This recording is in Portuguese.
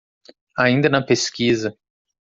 Ainda na pesquisa